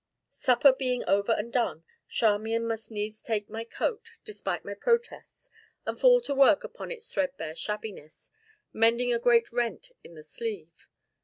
Supper being over and done, Charmian must needs take my coat, despite my protests, and fall to work upon its threadbare shabbiness, mending a great rent in the sleeve.